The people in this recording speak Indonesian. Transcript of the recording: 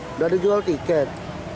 tidak ada jual tiket